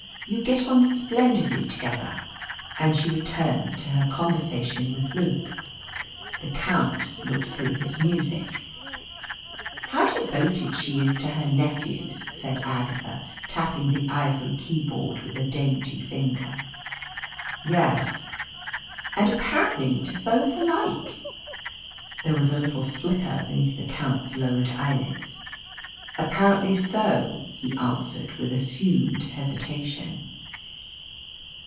You get on splendidly together." And she returned to her conversation with Luke. The Count looked through his music. "How devoted she is to her nephews!" said Agatha, tapping the ivory keyboard with a dainty finger. "Yes." "And apparently to both alike." There was a little flicker beneath the Count's lowered eyelids. "Apparently so," he answered, with assumed hesitation.